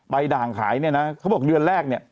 ด่างขายเนี่ยนะเขาบอกเดือนแรกเนี่ย